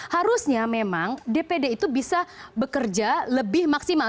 harusnya memang dpd itu bisa bekerja lebih maksimal